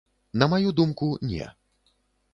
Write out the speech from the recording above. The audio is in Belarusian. На маю думку, не.